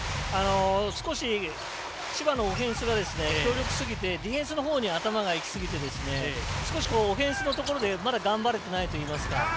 少し千葉のオフェンスが強力すぎてディフェンスのほうに頭がいきすぎて少しオフェンスのところでまだ頑張れてないといいますか。